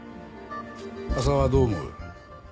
浅輪はどう思う？